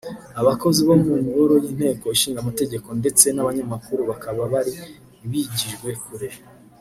abakozi bo mu ngoro y’Inteko ishinga amategeko ndetse n’abanyamakuru bakaba bari bigijwe kure